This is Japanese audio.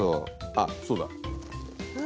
あっそうだ。え？